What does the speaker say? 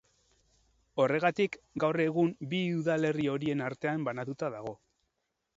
Horregatik gaur egun bi udalerri horien artean banatuta dago.